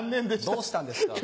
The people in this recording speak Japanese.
どうしたんですか？